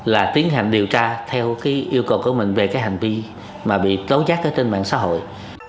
là tiến hành điều tra theo cái yêu cầu của mình về cái hành vi mà bị tố giác ở trên mạng xã hội